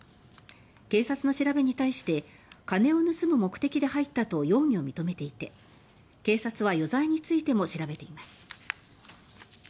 警察の調べに対して「金を盗む目的で入った」と容疑を認めていて警察は、余罪についても調べています。